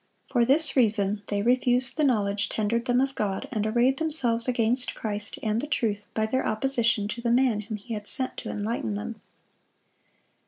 For this reason they refused the knowledge tendered them of God, and arrayed themselves against Christ and the truth by their opposition to the man whom He had sent to enlighten them.